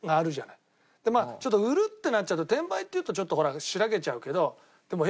まあちょっと売るってなっちゃうと転売っていうとちょっとほらしらけちゃうけどでも。